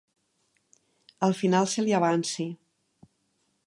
Al final se li avanci.